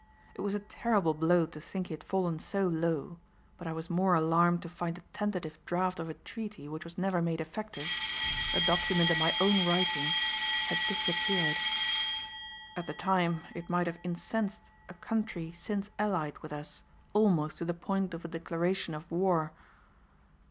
It was a terrible blow to think he had fallen so low, but I was more alarmed to find a tentative draft of a treaty which was never made effective, a document in my own writing, had disappeared. At the time it might have incensed a country since allied with us almost to the point of a declaration of war.